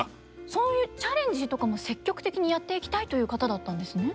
そういうチャレンジとかも積極的にやっていきたいという方だったんですね。